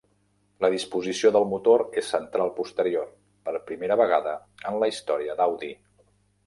La disposició del motor és central posterior, per primera vegada en la història d'Audi.